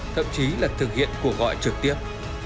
thậm chí là thực hiện cuộc gọi trực tiếp